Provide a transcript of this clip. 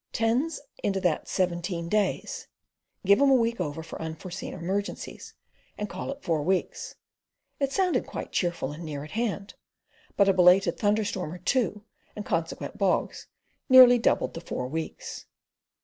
Tens into that seventeen days. Give 'em a week over for unforeseen emergencies, and call it four weeks." It sounded quite cheerful and near at hand, but a belated thunderstorm or two, and consequent bogs, nearly doubled the four weeks.